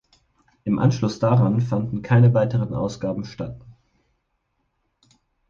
Im Anschluss daran fanden keine weitere Ausgaben statt.